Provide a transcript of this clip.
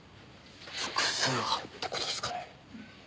複数犯って事ですかね？